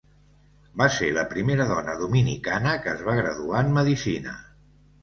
Va ser la primera dona dominicana que es va graduar en medicina.